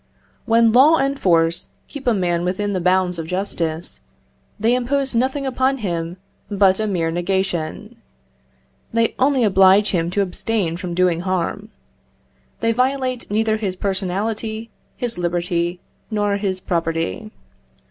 When law and force keep a man within the bounds of justice, they impose nothing upon him but a mere negation. They only oblige him to abstain from doing harm. They violate neither his personality, his liberty, nor his property.